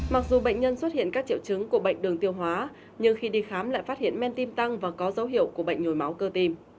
mặc dù bệnh nhân xuất hiện các triệu chứng của bệnh đường tiêu hóa nhưng khi đi khám lại phát hiện men tim tăng và có dấu hiệu của bệnh nhồi máu cơ tim